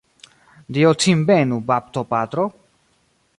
Dio cin benu, baptopatro!